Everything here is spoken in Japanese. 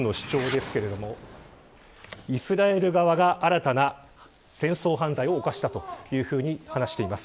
イスラエル側が新たな戦争犯罪を犯した、というふうにハマスが話しています。